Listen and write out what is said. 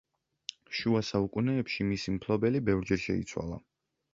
შუა საუკუნეებში მის მფლობელი ბევრჯერ შეიცვალა.